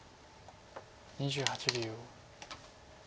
２８秒。